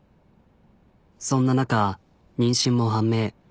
そんな中妊娠も判明。